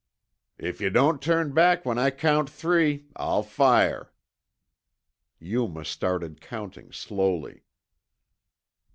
"If yuh don't turn back when I count three, I'll fire." Yuma started counting slowly.